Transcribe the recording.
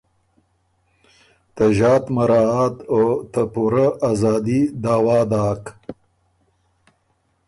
ته ݫات مراعات او ته پُورۀ ازادي دعویٰ داک۔